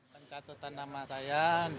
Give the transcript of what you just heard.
pencatutan nama saya